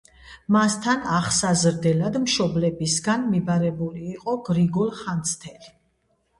მასთან აღსაზრდელად მშობლებისაგან მიბარებული იყო გრიგოლ ხანძთელი.